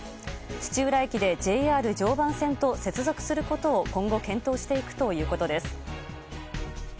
土浦駅でＪＲ常磐線と接続することを今後検討していくということです。